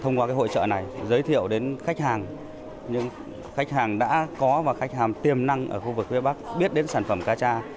thông qua hội trợ này giới thiệu đến khách hàng những khách hàng đã có và khách hàng tiềm năng ở khu vực phía bắc biết đến sản phẩm cá cha